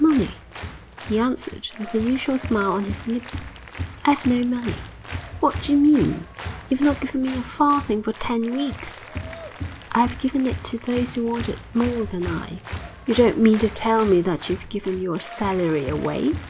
'Money?' he answered with the usual smile on his lips. 'I 'ave no money.' 'What d'you mean? You've not given me a farthing for ten weeks.' 'I 'ave given it to those who want it more than I.' 'You don't mean to tell me that you've given your salary away?'